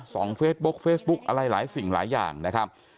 เฟซบุ๊กเฟซบุ๊กอะไรหลายสิ่งหลายอย่างนะครับ